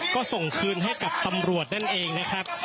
ก็ส่งคืนให้กับตำรวจนั่นเองนะครับ